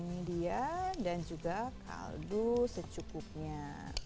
ini dia dan juga kaldu secukupnya